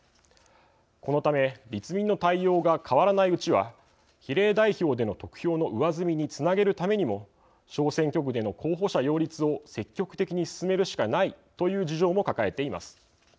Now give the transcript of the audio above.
このため立民の対応が変わらないうちは比例代表での得票の上積みにつなげるためにも小選挙区での候補者擁立を積極的に進めるしかないという事情も抱えています。